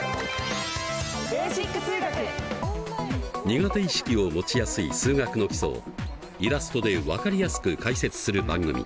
苦手意識を持ちやすい数学の基礎をイラストで分かりやすく解説する番組。